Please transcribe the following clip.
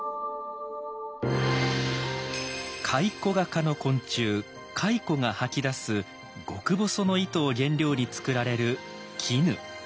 カイコガ科の昆虫「蚕」が吐き出す極細の糸を原料につくられる絹。